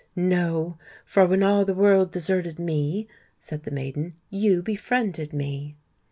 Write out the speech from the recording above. "No—for when all the world deserted me," said the maiden, "you befriended me!"